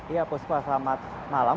ya puspa selamat malam